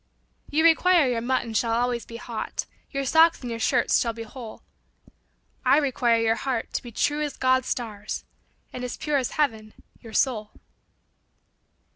You require your mutton shall always be hot, Your socks and your shirts shall be whole ; I require your heart to be true as God's stars, And as pure as heaven your soul.